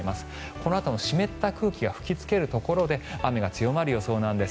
このあとも湿った空気が吹きつけるところで雨が強まる予想なんです。